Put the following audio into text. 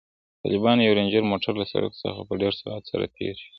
د طالبانو یو رنجر موټر له سړک څخه په ډېر سرعت سره تېر شو.